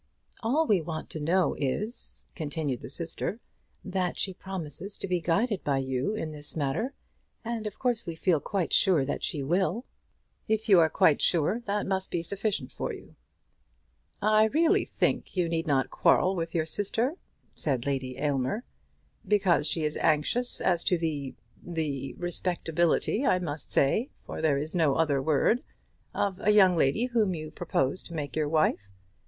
"All we want to know is," continued the sister, "that she promises to be guided by you in this matter; and of course we feel quite sure that she will." "If you are quite sure that must be sufficient for you." "I really think you need not quarrel with your sister," said Lady Aylmer, "because she is anxious as to the the respectability, I must say, for there is no other word, of a young lady whom you propose to make your wife.